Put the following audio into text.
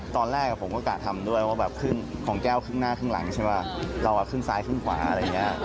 ตอนแรกผมก็กะทำด้วยว่าแบบขึ้นของแก้วครึ่งหน้าครึ่งหลังใช่ป่ะเราอ่ะครึ่งซ้ายครึ่งขวาอะไรอย่างนี้